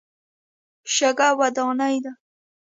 شګه وداني ده.